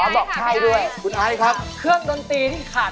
มีหลายประเภทค่ะ